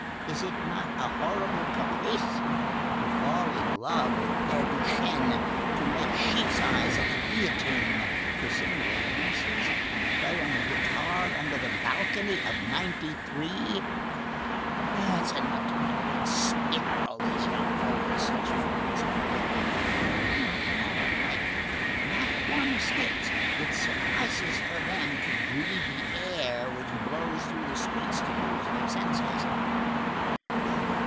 Is it not a horrible caprice? To fall in love with Père Duchesne, to make sheep's eyes at the guillotine, to sing romances, and play on the guitar under the balcony of '93—it's enough to make one spit on all these young fellows, such fools are they! They are all alike. Not one escapes. It suffices for them to breathe the air which blows through the street to lose their senses.